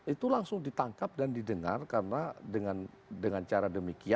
itu langsung ditangkap dan didengar karena dengan cara demikian mereka bisa terus bergerak ya